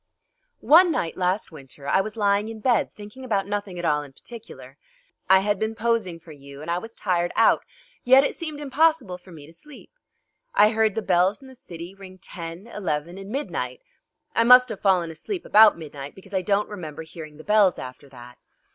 "One night last winter I was lying in bed thinking about nothing at all in particular. I had been posing for you and I was tired out, yet it seemed impossible for me to sleep. I heard the bells in the city ring ten, eleven, and midnight. I must have fallen asleep about midnight because I don't remember hearing the bells after that.